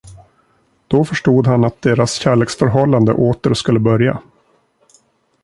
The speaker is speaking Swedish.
Då förstod han, att deras kärleksförhållande åter skulle börja.